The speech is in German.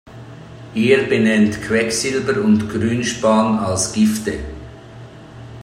Er benennt Quecksilber und Grünspan als Gifte.